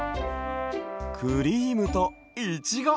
クリームといちご。